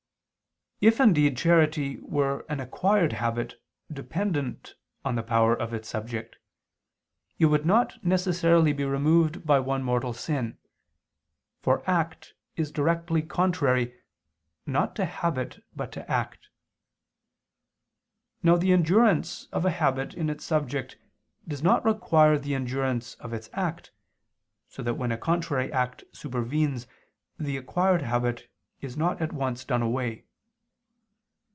If indeed charity were an acquired habit dependent on the power of its subject, it would not necessarily be removed by one mortal sin, for act is directly contrary, not to habit but to act. Now the endurance of a habit in its subject does not require the endurance of its act, so that when a contrary act supervenes the acquired habit is not at once done away.